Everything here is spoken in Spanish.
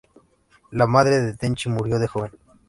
La madre de Tenchi murió de joven.